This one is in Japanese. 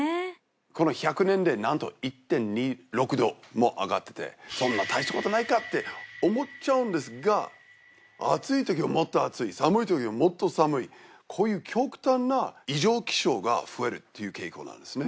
この１００年でなんと１．２６度も上がっててそんなたいしたことないかって思っちゃうんですが暑いときはもっと暑い寒いときはもっと寒いこういう極端な異常気象が増えるっていう傾向なんですね